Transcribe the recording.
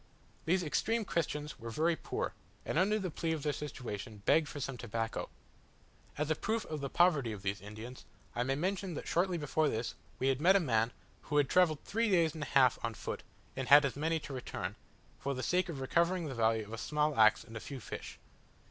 These extreme Christians were very poor, and, under the plea of their situation, begged for some tobacco. As a proof of the poverty of these Indians, I may mention that shortly before this, we had met a man, who had travelled three days and a half on foot, and had as many to return, for the sake of recovering the value of a small axe and a few fish.